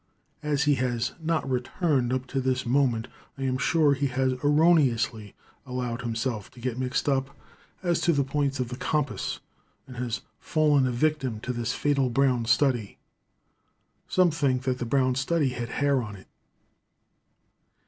As he has not returned up to this moment, I am sure he has erroneously allowed himself to get mixed up as to the points of the compass, and has fallen a victim to this fatal brown study. Some think that the brown study had hair on it.